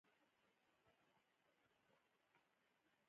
ژوند د بایسکل په څیر دی. د دوام لپاره باید حرکت وکړې.